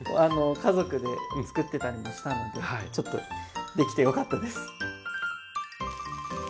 家族で作ってたりもしたのでちょっとできてよかったです。